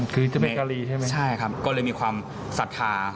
คือเจ้าแม่กาลีใช่ไหมครับใช่ครับก็เลยมีความศรัทธา